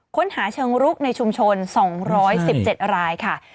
ค้นหาเชิงรุกในชุมชน๒๑๗รายค่ะ